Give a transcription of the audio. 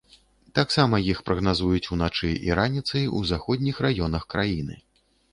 Таксама іх прагназуюць уначы і раніцай у заходніх раёнах краіны.